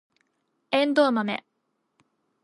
エンドウマメ